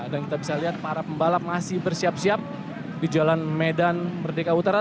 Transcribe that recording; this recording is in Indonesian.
dan kita bisa lihat para pembalap masih bersiap siap di jalan medan merdeka utara